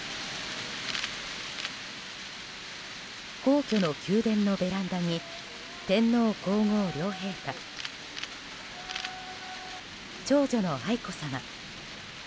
皇居の宮殿のベランダに天皇・皇后両陛下長女の愛子さま